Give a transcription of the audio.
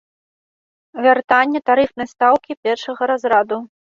Вяртанне тарыфнай стаўкі першага разраду.